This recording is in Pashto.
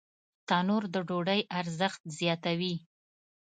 تنور د ډوډۍ ارزښت زیاتوي